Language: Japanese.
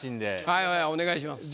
はいお願いします。